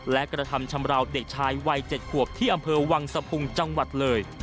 และกระทำชำราวเด็กชายวัย๗ขวบที่อำเภอวังสะพุงจังหวัดเลย